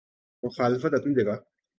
مخالفت اپنی جگہ۔